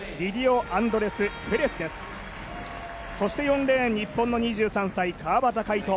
そして４レーン、日本の２３歳、川端魁人。